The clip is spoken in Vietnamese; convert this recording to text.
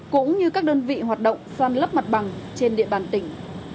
cũng như các đơn vị hoạt động san lấp mặt bằng trên địa bàn tỉnh